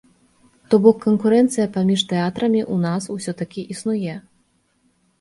То бок, канкурэнцыя паміж тэатрамі ў нас усё-такі існуе?